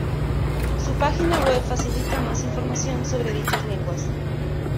Su página web facilita más información sobre dichas lenguas.